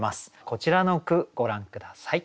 こちらの句ご覧下さい。